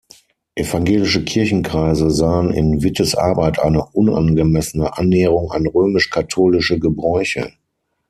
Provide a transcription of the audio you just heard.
Evangelische Kirchenkreise sahen in Wittes Arbeit eine unangemessene Annäherung an römisch-katholische Gebräuche.